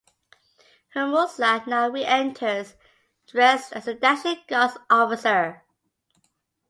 Hermosa now re-enters dressed as a dashing guards officer.